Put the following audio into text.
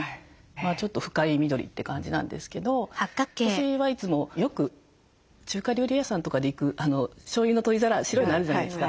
ちょっと深い緑って感じなんですけど私はいつもよく中華料理屋さんとかで行くしょうゆの取り皿白いのあるじゃないですか。